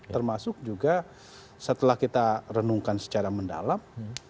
termasuk juga setelah kita renungkan secara mendalam